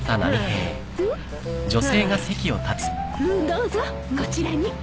どうぞこちらに。